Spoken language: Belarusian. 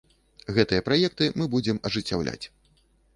Гэтыя праекты мы будзем ажыццяўляць.